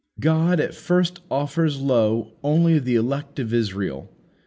God at first offers low; only the elect of Israel.